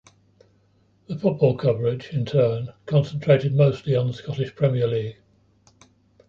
The football coverage, in turn, concentrated mostly on the Scottish Premier League.